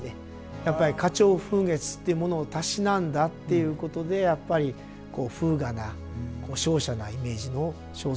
やっぱり花鳥風月っていうものをたしなんだっていうことでやっぱり風雅な瀟洒なイメージの装束を合わせていくことになります。